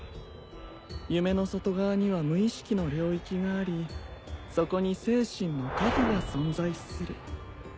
夢の外側には無意識の領域がありそこに精神の核が存在する。